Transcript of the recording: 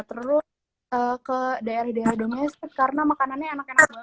terus ke daerah daerah domestik karena makanannya enak enak banget